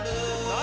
何？